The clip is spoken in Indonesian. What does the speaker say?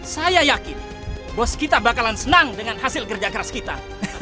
saya yakin bos kita bakalan senang dengan hasil kerja keras kita